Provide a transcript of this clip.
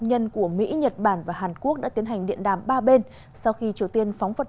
nhân của mỹ nhật bản và hàn quốc đã tiến hành điện đàm ba bên sau khi triều tiên phóng vật